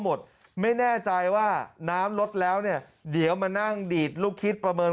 หมดไม่แน่ใจว่าน้ำลดแล้วเนี่ยเดี๋ยวมานั่งดีดลูกคิดประเมิน